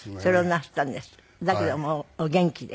だけどもお元気で。